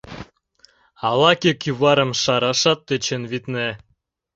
Ала-кӧ кӱварым шарашат тӧчен, витне.